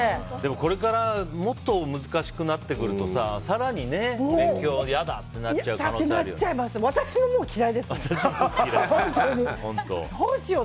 これからもっと難しくなってくると更にね、勉強が嫌だってなっちゃう可能性あるよ。